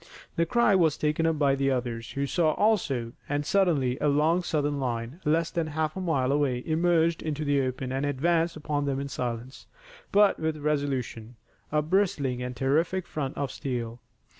The cry was taken up by others who saw also, and suddenly a long Southern line, less than half a mile away, emerged into the open and advanced upon them in silence, but with resolution, a bristling and terrific front of steel.